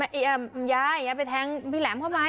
เอ่ออาาไปแทงพี่แหลมทำไม